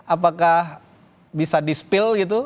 apakah bisa di spill gitu